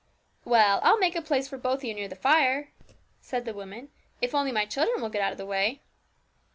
'Well, I'll make a place for both of you near the fire,' said the woman, 'if only my children will get out of the way.'